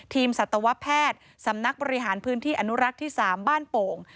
สัตวแพทย์สำนักบริหารพื้นที่อนุรักษ์ที่๓บ้านโป่ง